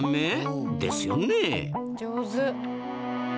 上手！